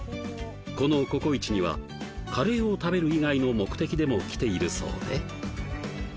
このココイチにはカレーを食べる以外の目的でも来ているそうでマジっすか！